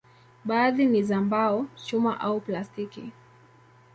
Baadhi ni za mbao, chuma au plastiki.